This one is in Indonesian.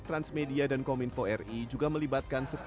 transmedia dan kominfo ri juga melibatkan